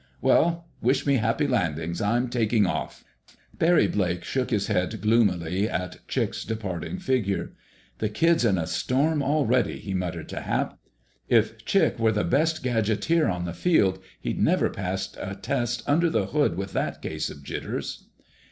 Well, wish me happy landings. I'm taking off." Barry Blake shook his head gloomily at Chick's departing figure. "The kid's in a storm already," he muttered to Hap. "If Chick were the best gadgeteer on the Field he'd never pass a test under the hood with that case of jitters."